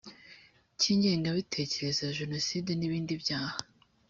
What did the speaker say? cy ingengabitekerezo ya jenoside n ibindi byaha